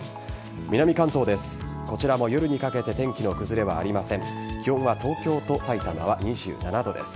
南関東です。